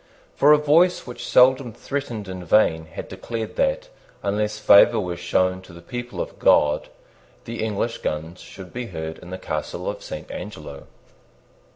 For a voice which seldom threatened in vain had declared that, unless favour were shown to the people of God, the English guns should be heard in the Castle of Saint Angelo.